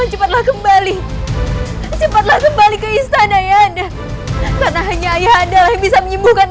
cepatlah kembali cepatlah kembali ke istana ya anda karena hanya ayah anda yang bisa menyembuhkan